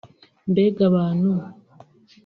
Mbega abantu